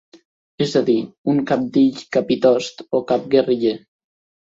És a dir, un cabdill, capitost o cap guerriller.